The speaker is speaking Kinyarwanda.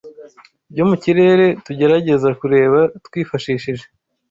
byo mu kirere tugerageza kureba twifashishije